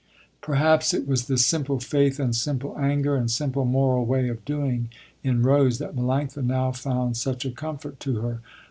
Perhaps it was this simple faith and simple anger and simple moral way of doing in Rose, that Melanctha now found such a comfort to her.